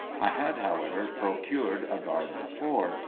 I had, however, procured a guard before.